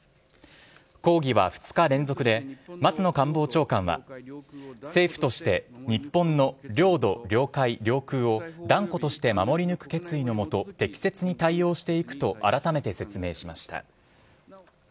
抗議は２日連続で松野官房長官は、政府として、日本の領土、領海、領空を断固として守り抜く決意の下、適切に対応していくと改めて説明しました。